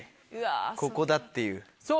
ここだっていう。